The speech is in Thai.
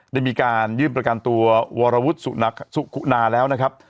ได้มีการยื่นประกันตัววรวุฒิสุคุณาแล้วนะครับ